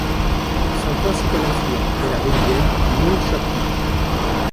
Son principal affluent est la rivière Mulchatna.